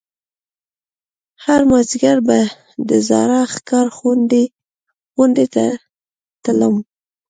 هر مازديگر به د زاړه ښار غونډۍ ته تلم.